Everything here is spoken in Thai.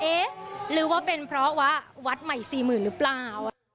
เอ๊ะหรือว่าเป็นเพราะว่าวัดใหม่๔๐๐๐หรือเปล่า